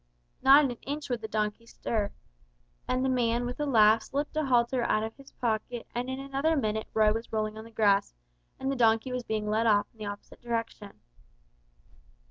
Not an inch would the donkey stir; and the man with a laugh, slipped a halter out of his pocket and in another minute Roy was rolling on the grass, and the donkey was being led off in the opposite direction.